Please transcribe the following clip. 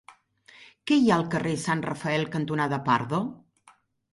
Què hi ha al carrer Sant Rafael cantonada Pardo?